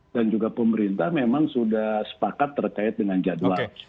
dan juga pemerintah memang sudah sepakat terkait dengan jadwal